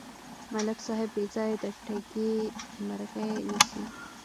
ملک صاحب بېځایه د ټګۍ مرغۍ نیسي.